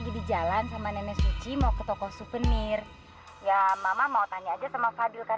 dan sekarang gua mau kafa gua mau anak gua